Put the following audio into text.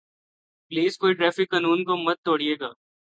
please کوئی traffic قانون کو مت توڑئے گا